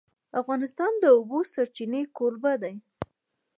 افغانستان د د اوبو سرچینې کوربه دی.